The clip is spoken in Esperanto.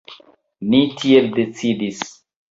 Ni tiel decidis.